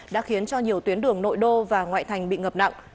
đã khiến cho nhiều tuyến đường nội đô và ngoại thành bị ngập nặng